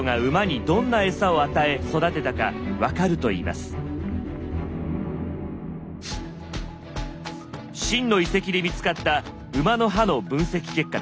秦の遺跡で見つかった馬の歯の分析結果です。